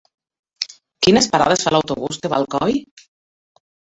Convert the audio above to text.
Quines parades fa l'autobús que va a Alcoi?